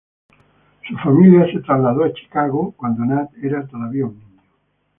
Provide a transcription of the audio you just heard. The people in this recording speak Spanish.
Su familia se trasladó a Chicago cuando Nat era todavía un niño.